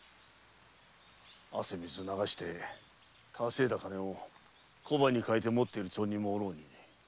汗水流して稼いだ金を小判に換え持っている町人もおろうに。